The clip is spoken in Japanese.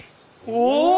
おお！